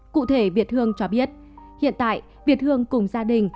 cụ thể việt hương cho biết hiện tại việt hương cùng gia đình